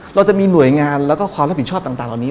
เราจะมีหน่วยงานแล้วก็ความรับผิดชอบต่างเหล่านี้